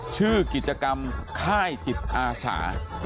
ชื่อกิจกรรมค่ายจิตอาสา